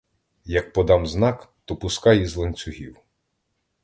Як подам знак, то пускай із ланцюгів!